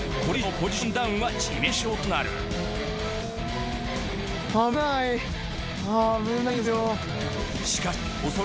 これ以上のポジションダウンは致命傷となる危ないですよ。